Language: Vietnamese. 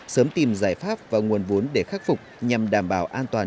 sớm tìm giải pháp và nguồn vốn để khắc phục nhằm đảm bảo an toàn